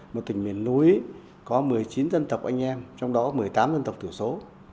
một tỉnh miền núi có một mươi chín dân tộc anh em trong đó một mươi tám dân tộc thiểu số